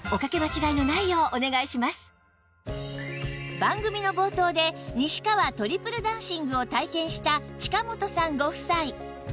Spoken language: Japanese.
番組の冒頭で西川トリプル暖寝具を体験した近本さんご夫妻